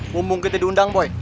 mumbung kita diundang boy